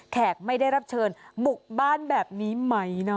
ไม่ได้รับเชิญบุกบ้านแบบนี้ไหมเนาะ